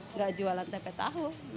nggak jualan tempe tahu